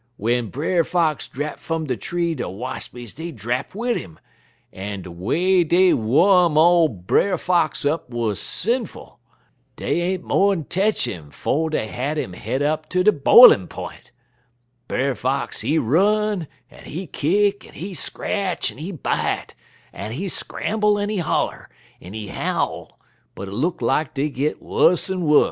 W'en Brer Fox drap fum de tree de wassies dey drap wid 'im, en de way dey wom ole Brer Fox up wuz sinful. Dey ain't mo'n tetch' im 'fo' dey had 'im het up ter de b'ilin' p'int. Brer Fox, he run, en he kick, en he scratch, en he bite, en he scramble, en he holler, en he howl, but look lak dey git wuss en wuss.